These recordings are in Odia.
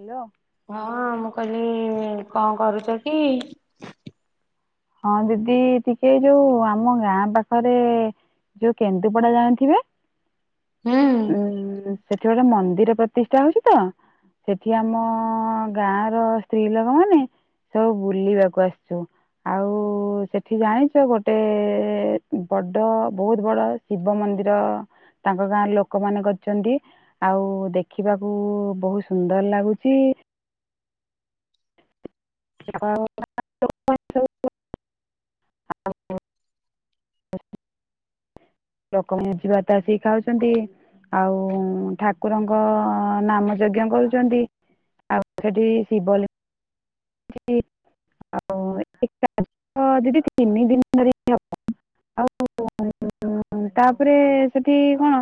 ହାଲୋ। ହଁ ମୁଁ କହିଲି କଁ କରୁଚ କି? ହଁ ଦିଦି ଟିକେ ଏଇ ଯୋଉ ଆମ ଗାଁ ପାଖରେ ଯୋଉ କେନ୍ଦୁପଡା ଯାଣିଥିବେ? ହୁଁ। ସେଠି ଗୋଟେ ମନ୍ଦିର ପ୍ରତିଷ୍ଟା ହଉଚି ତ। ସେଠି ଆମ ଗାଁ ର ସ୍ତ୍ରୀ ଲୋକମାନେ ସବୁ ବୁଲିବାକୁ ଆସିଛୁ। ତ ସେଠି ଜାଣିଛ ଗୋଟେ ବଡ ବହୁତ ବଡ ଶିବ ମନ୍ଦିର ତାଙ୍କ ଗାଁ ଲୋକମାନେ କରିଚନ୍ତି। ଆଉ ଦେଖିବାକୁ ବହୁ ସୁନ୍ଦର୍ ଲାଗୁଚି। [unintelligible] ଲୋକମାନେ ଯିବା ତାସି ଖାଉଛନ୍ତି। ଆଉ ଠାକୁରଙ୍କ ନାମ ଯଜ୍ଞ କରୁଚନ୍ତି। ଆ ସେଠି ଶିବ ଲି [unintelligible] [unintelligible] ହଁ ତାପରେ ସେଠି କଣ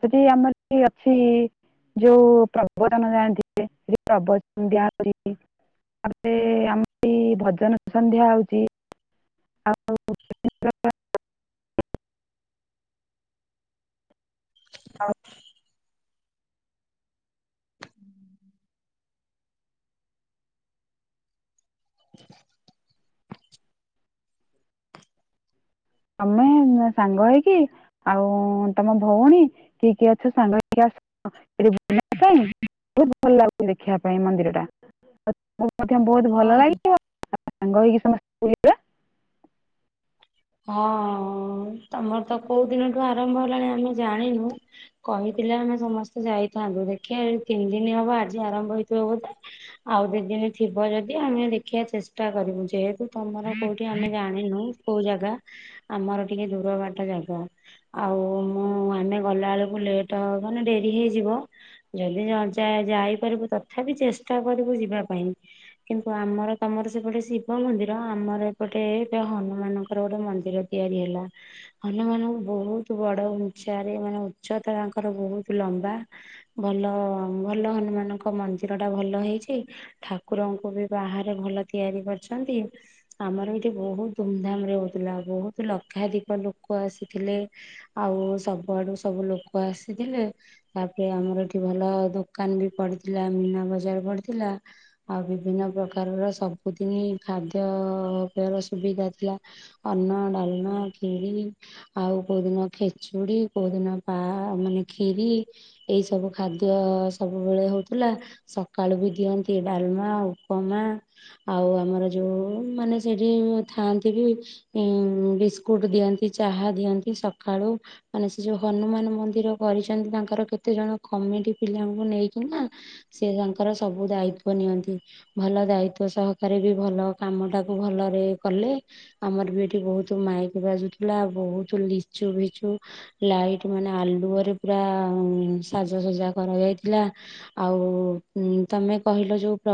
ସେଠି ଆମର ହିଁ ଅଛି। ଯୋଉ ପ୍ରବଚନ ଜାଣିଥିବେ [unintelligible] ତାପରେ ଆମ ଭଜନ ସନ୍ଧ୍ୟା ହଉଚି। [inaudible] ତମେ ନ ସାଙ୍ଗ ହେଇକି ଆଉ ତମ ଭଉଣୀ କିଏ କିଏ ଅଛ ସାଙ୍ଗ ହେଇକି ଆସ। [unintelligible] ବହୁତ ଭଲ ଲାଗୁଛି ଦେଖିବା ପାଇଁ ମନ୍ଦିର ଟା। ଆଉ ମଧ୍ୟ ବହୁତ୍ ଭଲ ହଁ। ଲାଗିବ ସାଙ୍ଗ ହେଇକି ସମ ବୁଲିବା। ହଁ ତମର ତ କୋଉ ଦିନଠୁ ଆରମ୍ଭ ହେଲାଣି ଆମେ ଜାଣିନୁ? କହିଥିଲେ ଆମେ ସମସ୍ତେ ଯାଇଥାନ୍ତୁ ଦେଖିଆ ତିନ୍ଦିନି ହବ ଆଜି ଆରମ୍ଭ ହେଇଥିବ ବୋଧେ? ଆଉ ଦିଦିନି ଥିବ ଯଦି ଆମେ ଦେଖିଆ ଚେଷ୍ଟା କରିବୁ ଯେହେତୁ ତମର କୋଉଠି ଆମେ ଜାଣିନୁ କୋଉ ଜାଗା ଆମର ଟିକେ ଦୂର ବାଟ ଜାଗା। ଆଉ ମୁଁ ଆମେ ଗଲାବେଳକୁ ଲେଟ୍ ହବ ମାନେ ଡେରି ହେଇଯିବ। ଯଦି ନାଚା ଯାଇ ପାରିବୁ ତଥାପି ଚେଷ୍ଟା କରିବୁ ଯିବା ପାଇଁ। କିନ୍ତୁ ଆମର ତମର ସେପଟେ ଶିବ ମନ୍ଦିର ଆମର ଏପଟେ ଦ ହନୁମାନ କ ଖରେ ଗୋଟେ ମନ୍ଦିର ତିଆରି ହେଲା। ହନୁମାନ ବହୁତ୍ ବଡ଼ ଉଚ୍ଚାରେ ମାନେ ଉଚ୍ଚତା ତାଙ୍କର ବହୁତ୍ ଲମ୍ବା। ଭଲ ଭଲ ହନୁମାନଙ୍କ ମନ୍ଦିର ଟା ଭଲ ହେଇଚି। ଠାକୁରଙ୍କୁ ବି ବାହାରେ ଭଲ ତିଆରି କର୍ଛନ୍ତି। ଆମର ଏଇଠି ବହୁତ ଧୁମ୍ଧାମ୍ ରେ ହୋଉଥିଲା ବହୁତ ଲକ୍ଷାଧିକ ଲୋକ ଆସିଥିଲେ। ଆଉ ସବୁଆଡ଼ୁ ସବୁ ଲୋକ ଆସିଥିଲେ। ତାପରେ ଆମର ଏଠି ଭଲ ଦୋକାନ ବି ପଡ଼ି ଥିଲା ମୀନା ବଜାର୍ ପଡ଼ିଥିଲା। ଆଉ ବିଭିନ୍ନ ପ୍ରକାରର ସବୁଦିନି ଖାଦ୍ଯ [unintelligible] ର ସୁବିଧା ଥିଲା। ଅନ୍ନ ଡାଲ୍ମା ଖିରି ଆଉ କୋଉଦିନ ଖେଚୁଡ଼ି। କୋଉଦିନ ପା ମାନେ ଖିରି ଏଇ ସବୁ ଖାଦ୍ୟ ସବୁବେଳେ ହୋଉଥିଲା। ସକାଳୁ ବି ଦିଅନ୍ତି ଡାଲ୍ମା ଉପମା। ଆଉ ଆମର ଯୋଉ ମାନେ ସେଠି ମୁଁ ଥାଆନ୍ତି ବି ହୁଁ ବିସ୍କୁଟ୍ ଦିଅନ୍ତି ଚାହା ଦିଅନ୍ତି ସଖାଳୁ। ମାନେ ସେ ଯୋଉ ହନୁମାନ ମନ୍ଦିର କରିଛନ୍ତି ତାଙ୍କର କେତେ ଜଣ କମିଟି ପିଲାଙ୍କୁ ନେଇକିନା। ସେ ତାଙ୍କର ସବୁ ଦାୟିତ୍ୱ ନିଅନ୍ତି। ଭଲ ଦାୟିତ୍ୱ ସହକାରେ ବି ଭଲ କାମଟା କୁ ଭଲରେ କଲେ ଆମର ବି ଏଠି ବହୁତ ମାଇକି ବାଜୁଥିଲା ବହୁତ ଲିଚୁ ବିଚୁ ଲାଇଟ ମାନେ ଆଲୁଅରେ ପୁରା ସାଜସଜ୍ଜା କରା ଯାଇଥିଲା। ଆଉ ତମେ କହିଲ ଯୋଉ ପ